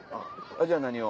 じゃあ何を？